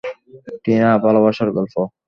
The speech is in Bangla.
টিনা, ভালবাসার গল্প?